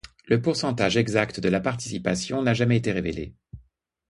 Le pourcentage exact de la participation n'a jamais été révélé.